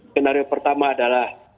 skenario pertama adalah